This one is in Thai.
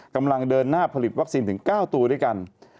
กำลังเดินหน้าผลิตวัคซีนถึง๙ตัวด้วยกัน